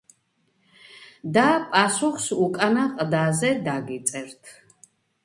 და პასუხს უკანა ყდაზე დაგიწერთ